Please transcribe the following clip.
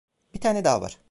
Bir tane daha var.